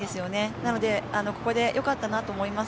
なのでここでよかったなと思います。